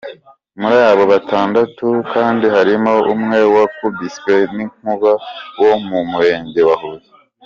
Muri abo batandatu kandi harimo umwe wakubiswe n’inkuba wo mu Murenge wa Huye.